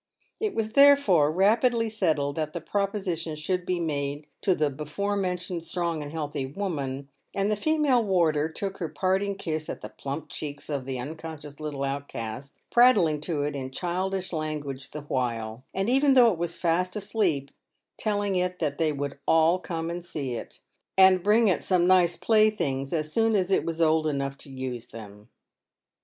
It was, therefore, rapidly settled that the proposition should be made to the before mentioned strong and healthy woman, and the female warder took her parting kiss at the plump cheeks of the unconscious little outcast, prattling to it in childish language the while; and even though it was fast asleep, telling it that they would all come and see it, and bring it some nice playthings as soon as it was old enough to use them.